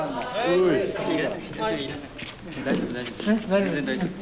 大丈夫大丈夫。